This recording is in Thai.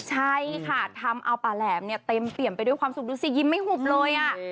ใช่ค่ะทำเอาป่าแหลมเนี่ยเต็มเปี่ยมไปด้วยความสุขดูสิยิ้มไม่หุบเลย